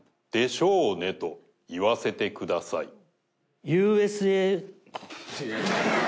でしょーね！と言わせてください。